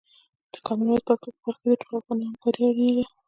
د کامن وایس پښتو په برخه کې د ټولو افغانانو همکاري اړینه ده.